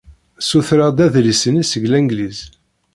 Ssutreɣ-d adlis-nni seg Langliz.